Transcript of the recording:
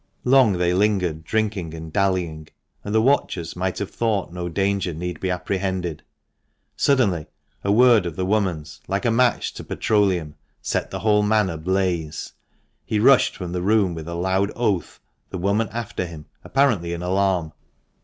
Long they lingered drinking and dallying, and the watchers might have thought no danger need be apprehended. Suddenly a word of the woman's, like a match to petroleum, set the whole man ablaze. He rushed from the room with a loud oath, the woman after him, apparently in alarm.